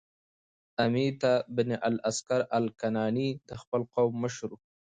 امیة بن الاسکر الکناني د خپل قوم مشر و،